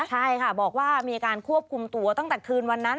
ใช่ค่ะบอกว่ามีการควบคุมตัวตั้งแต่คืนวันนั้น